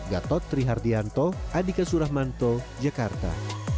gatot trihardianto andika suramanto jakarta